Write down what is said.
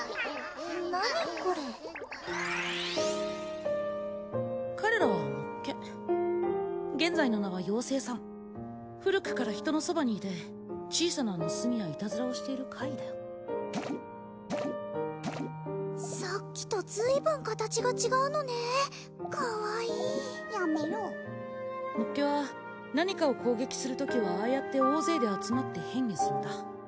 何これ彼らはもっけ現在の名はようせいさん古くから人のそばにいて小さな盗みやいたずらをしている怪異だよさっきと随分形が違うのねかわいいやめろもっけは何かを攻撃するときはああやって大勢で集まって変化するんだ